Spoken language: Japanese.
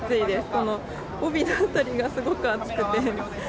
この帯の辺りがすごく暑くて。